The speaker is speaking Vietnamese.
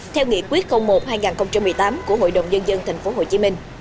theo nghị quyết một hai nghìn một mươi tám của hội đồng nhân dân tp hcm